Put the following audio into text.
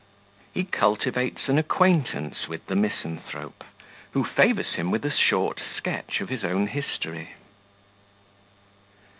He cultivates an Acquaintance with the Misanthrope, who favours him with a short Sketch of his own History.